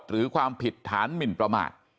หรือความผิดฐานหมินประมาท